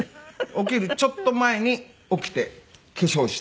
起きるちょっと前に起きて化粧をして。